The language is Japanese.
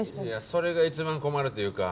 それが一番困るというか。